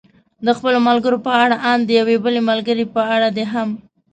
د خپلو ملګرو په اړه، ان د یوې بلې ملګرې په اړه دې هم.